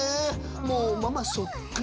もうママそっくり。